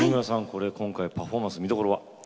これ今回パフォーマンス見どころは？